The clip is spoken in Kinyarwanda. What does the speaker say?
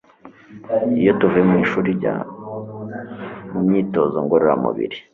iyo tuvuye mu ishuri njya mu myitozo ngororamubiri